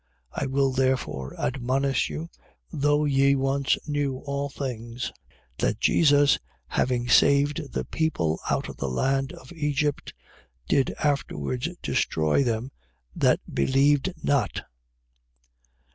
1:5. I will therefore admonish you, though ye once knew all things, that Jesus, having saved the people out of the land of Egypt, did afterwards destroy them that believed not.